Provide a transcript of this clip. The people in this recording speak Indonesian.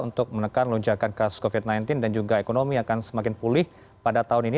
untuk menekan lonjakan kasus covid sembilan belas dan juga ekonomi akan semakin pulih pada tahun ini